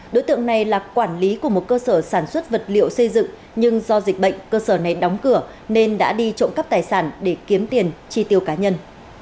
đối tượng này là quản lý của một cơ sở sản xuất vật liệu xây dựng nhưng do dịch bệnh cơ sở này đóng cửa nên đã đi trộm cắp tài sản để kiếm tiền chi tiêu cá nhân